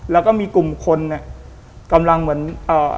แล้วก็มีกลุ่มคนเนี่ยกำลังเหมือนเอ่อ